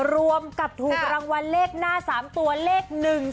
รวมกับถูกรางวัลเลขหน้า๓ตัวเลข๑๒